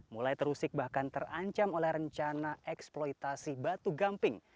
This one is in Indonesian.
mulai terusik bahkan terancam oleh rencana eksploitasi batu gamping